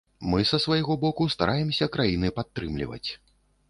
Мы са свайго боку стараемся краіны падтрымліваць.